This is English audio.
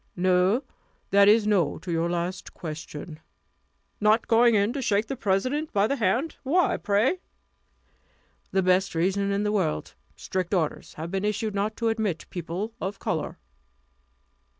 "No that is, no to your last question." "Not going in to shake the President by the hand! Why, pray?" "The best reason in the world. Strict orders have been issued not to admit people of color."